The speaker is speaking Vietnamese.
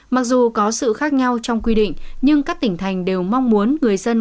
mặc dù có sự khác nhau trong quy định nhưng các tỉnh thành đều mong muốn người dân